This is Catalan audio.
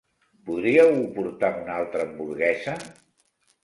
Podríeu portar una altra hamburguesa?